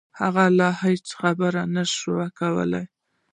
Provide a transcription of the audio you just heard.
هغه لا هم هېڅ خبرې نشوای کولای